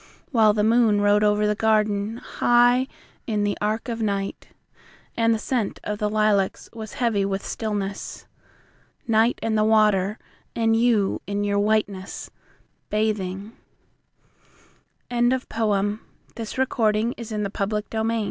While the moon rode over the garden, High in the arch of night, And the scent of the lilacs was heavy with stillness. Night, and the water, and you in your whiteness, bathing! A Tulip Garden Guarded within the old red wall's embra